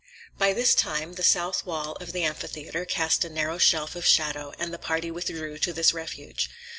By this time the south wall of the amphitheater cast a narrow shelf of shadow, and the party withdrew to this refuge.